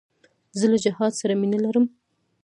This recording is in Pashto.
زه له جهاد سره مینه لرم.